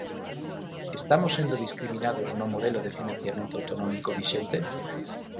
¿Estamos sendo discriminados no modelo de financiamento autonómico vixente?